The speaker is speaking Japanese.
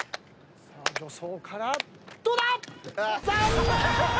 さあ助走からどうだ⁉残念！